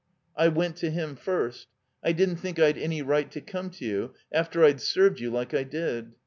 "I went to him first. I didn't think I'd any right to come to you — after I'd served you like I did."